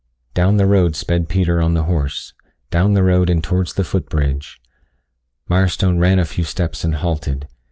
Down the road sped Peter on the horse down the road and towards the foot bridge. Mirestone ran a few steps and halted.